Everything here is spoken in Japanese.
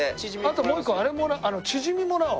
あともう一個あれチヂミもらおう。